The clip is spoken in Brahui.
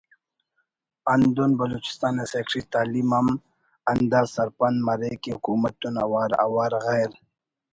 ہندن بلوچستان نا سیکرٹری تعلیم ہم ہندا سرپند مریک کہ حکومت تون اوار اوار غیر